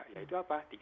ya itu apa